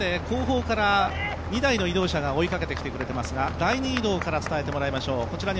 後方から２台の移動車が追いかけてくれていますが第２移動車から伝えてもらいましょう。